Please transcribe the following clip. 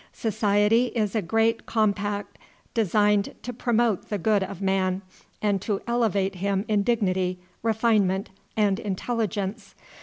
Society is a great compact designed to promote the good of man, and to elevate him in dignity, refinement, and intelligence.